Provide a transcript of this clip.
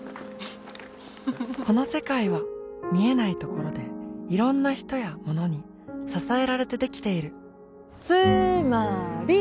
この世界は見えないところでいろんな人やものに支えられてできているつーまーり！